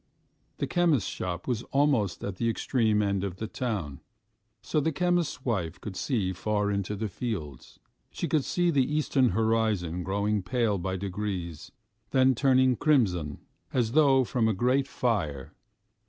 The chemist's shop was almost at the extreme end of the town, so that the chemist's wife could see far into the fields. She could see the eastern horizon growing pale by degrees, then turning crimson as though from a great fire.